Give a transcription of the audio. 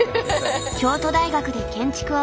京都大学で建築を学び